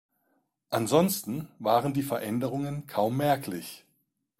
Ansonsten waren die Veränderungen kaum merklich.